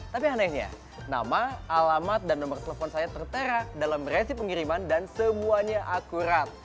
tapi anehnya nama alamat dan nomor telepon saya tertera dalam berisi pengiriman dan semuanya akurat